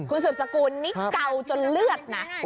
คุณสืบสกุลนี่เกาจนเลือดนะ